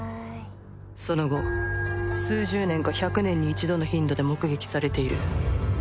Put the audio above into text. その後数十年か１００年に一度の頻度で目撃されている。